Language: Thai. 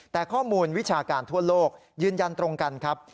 แต่ข้อมูลวิชาการทั่วโลกยืนยันตรงกันครับ